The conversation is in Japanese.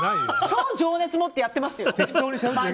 超情熱持ってやってますよ。